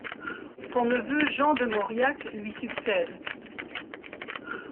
Son neveu Jean de Mauriac lui succède.